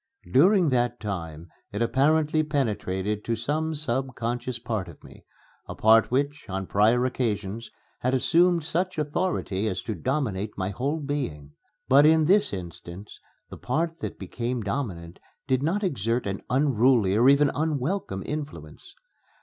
During that time it apparently penetrated to some subconscious part of me a part which, on prior occasions, had assumed such authority as to dominate my whole being. But, in this instance, the part that became dominant did not exert an unruly or even unwelcome influence.